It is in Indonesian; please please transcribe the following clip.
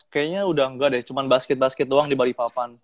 kayaknya udah nggak deh cuma basket basket doang di balikpapan